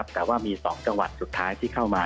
แต่ว่ามี๒จังหวัดสุดท้ายที่เข้ามา